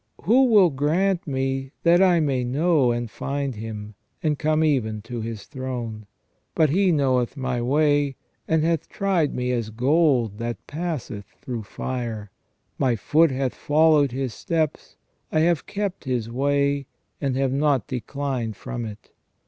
" Who will grant me that I may know and find Him, and come even to His throne ?... But He knoweth my way, and hath tried me as gold that passeth through fire : my foot hath followed His steps, I have kept His way, and have not declined from it.